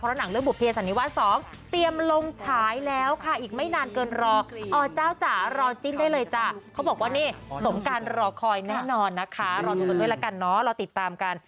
รอดูกันด้วยแล้วกันเนอะเราติดตามกัน